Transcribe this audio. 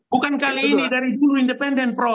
bukan kali ini dari dulu independen prof